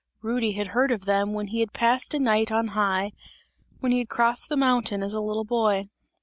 Rudy had heard of them, when he had passed a night on high; when he had crossed the mountain, as a little boy.